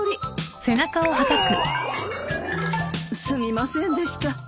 すみませんでした